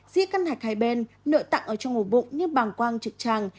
di cân hạch hai bên nội tặng ở trong ngủ bụng như bàng quang trực tràng